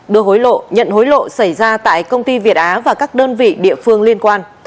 đưa hối lộ nhận hối lộ xảy ra tại công ty việt á và các đơn vị địa phương liên quan